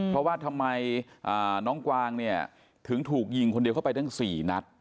เพราะว่าทำไมน้องกวางเนี่ยถึงถูกยิงคนเดียวเข้าไปตั้ง๔นัด